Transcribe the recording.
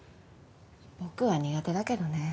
僕は苦手だけどね。